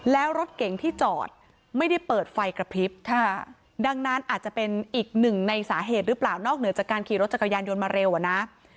แล้วรถเก่งที่จอดไม่ได้เปิดไฟกระพริบค่ะดังนั้นอาจจะเป็นอีกหนึ่งในสาเหตุหรือเปล่านอกเหนือจากการขี่รถจักรยานยนต์มาเร็วอ่ะนะ